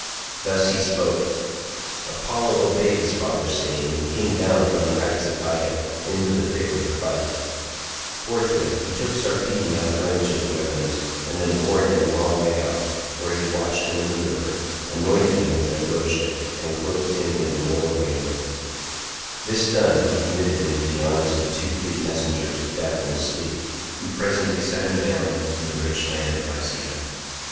Thus he spoke. Apollo obeyed his father's saying, and came down from the heights of Ida into the thick of the fight; forthwith he took Sarpedon out of range of the weapons, and then bore him a long way off, where he washed him in the river, anointed him with ambrosia and clothed him in immortal raiment; this done, he committed him to the arms of the two fleet messengers, Death, and Sleep, who presently set him down in the rich land of Lycia.